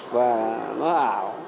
và nó ảo